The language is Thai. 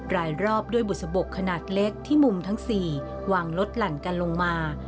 รายรอบด้วยบุษบกขนาดเล็กที่มุมทั้ง๔วางลดหลั่นกันลงมา